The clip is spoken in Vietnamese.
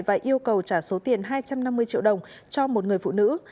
và yêu cầu trả số tiền hai trăm năm mươi triệu đồng cho một người phụ nữ